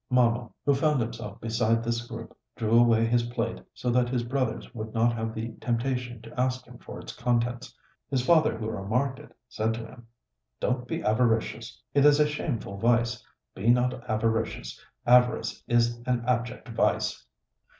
Momo, who found himself beside this group, drew away his plate, so that his brothers would not have the temptation to ask him for its contents. His father, who remarked it, said to him: "Don't be avaricious; it is a shameful vice: be not avaricious; avarice is an abject vice.